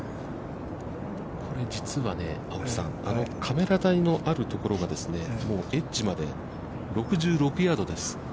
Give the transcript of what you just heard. これ実はね、青木さん、このカメラ台のあるところがエッジまで６６ヤードです。